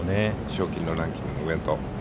賞金ランキングの上と。